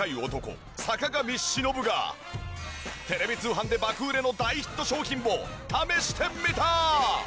テレビ通販で爆売れの大ヒット商品を試してみた！